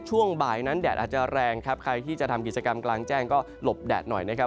ช่วงบ่ายนั้นแดดอาจจะแรงครับใครที่จะทำกิจกรรมกลางแจ้งก็หลบแดดหน่อยนะครับ